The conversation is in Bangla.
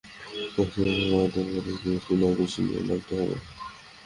ওয়েস্ট ইন্ডিজের সঙ্গে হয়তো তাদের একজন স্পিনার বেশি নিয়ে নামতে হবে।